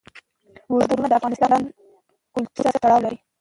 اوږده غرونه د افغان کلتور سره تړاو لري.